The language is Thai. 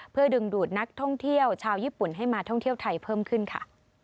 เพื่อดึงดูดนักท่องเที่ยวชาวญี่ปุ่นให้มาท่องเที่ยวไทยเพิ่มขึ้นค่ะ